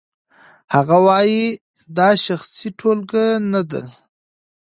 هغه وايي دا شخصي ټولګه نه وه.